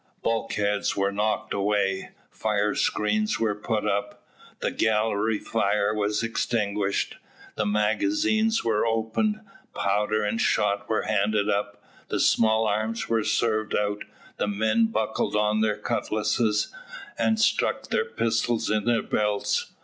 Bulkheads were knocked away, firescreens were put up, the gallery fire was extinguished, the magazines were opened, powder and shot were handed up, the small arms were served out, the men buckled on their cutlasses, and stuck their pistols in their belts.